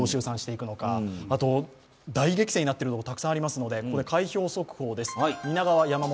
大激戦になっているところがたくさんありますので、開票速報です。